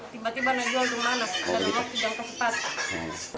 tiba tiba menjual di mana dalam waktu tidak tersepat